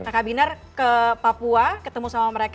kakak binar ke papua ketemu sama mereka